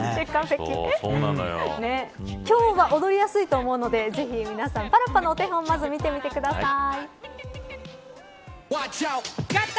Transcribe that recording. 今日は踊りやすいと思うのでぜひ皆さん、パラッパのお手本をまず見てみてください。